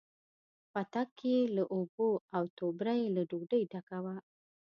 پتک یې له اوبو، او توبره یې له ډوډۍ ډکه وه.